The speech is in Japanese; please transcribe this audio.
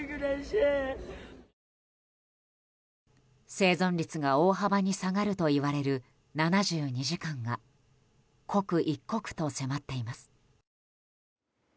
生存率が大幅に下がるといわれる７２時間が刻一刻と迫っています。